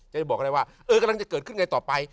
จะบอกก็ได้ว่าเออกำลังจะเกิดขึ้นไงต่อไป